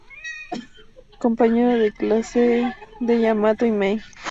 Compañero de clase de Yamato y Mei.